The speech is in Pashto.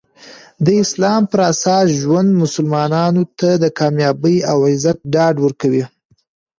د اسلام پراساس ژوند مسلمانانو ته د کامیابي او عزت ډاډ ورکوي.